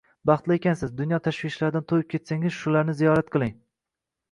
Baxtli ekansiz! Dunyo tashvishlaridan to’yib ketsangiz shularni ziyorat qiling.